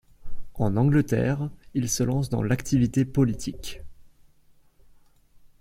En Angleterre, il se lance dans l'activité politique.